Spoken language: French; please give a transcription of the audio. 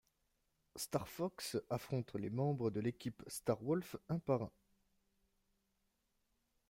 Star Fox affronte les membres de l'équipe Star Wolf un par un.